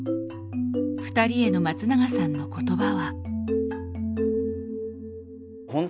２人への松永さんの言葉は。